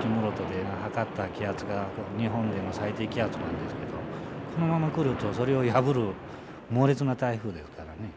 室戸で測った気圧が日本での最低気圧なんですけどこのまま来るとそれを破る猛烈な台風ですからね。